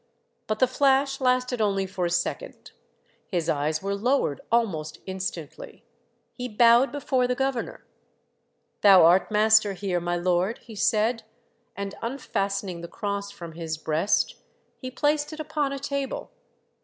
But the flash lasted only for a second. His eyes were lowered almost instantly; he bowed before the governor. " Thou art master here, my Lord," he said, and unfastening the cross from his breast, he placed it upon a table.